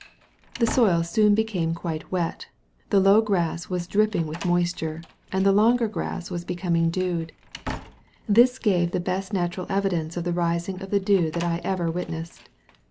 The soil soon became quite wet, the low grass was dripping with moisture, and the longer grass was becoming dewed. This gave the best natural evidence of the rising of the dew that I ever witnessed.